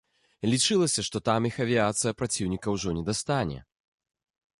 Лічылася, што там іх авіяцыя праціўніка ўжо не дастане.